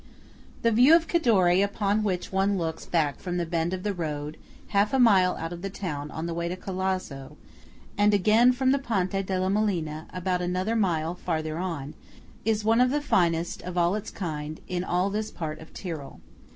THE view of Cadore upon which one looks back from the bend of the road half a mile out of the town on the way to Calalzo, and again from the Ponte della Molina, about another mile farther on, is one of the finest of its kind in all this part of Tyrol.